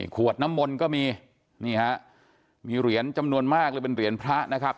ขวดน้ำมนต์ก็มีนี่ฮะมีเหรียญจำนวนมากเลยเป็นเหรียญพระนะครับ